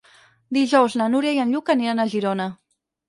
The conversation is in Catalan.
Dijous na Núria i en Lluc aniran a Girona.